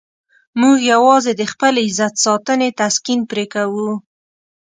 موږ یوازې د خپل عزت ساتنې تسکین پرې کوو.